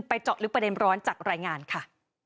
เจาะลึกประเด็นร้อนจากรายงานค่ะ